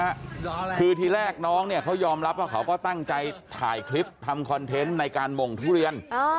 คือทีแรกน้องเนี่ยเขายอมรับว่าเขาก็ตั้งใจถ่ายคลิปทำคอนเทนต์ในการหม่งทุเรียน